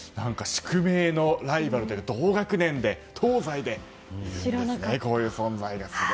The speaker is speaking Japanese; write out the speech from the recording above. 宿命のライバルというか同学年で東西で、こういう存在が。